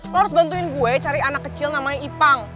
lo harus bantuin gue cari anak kecil namanya ipang